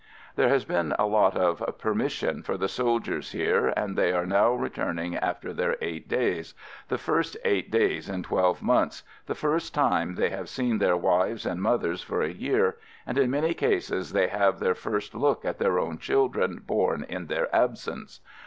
There has been a lot of "permission" for the soldiers here and they are now re turning after their eight days — the first eight days in twelve months, the first time they have seen their wives and mothers for a year, and in many cases they have their first look at their own children born in their absence.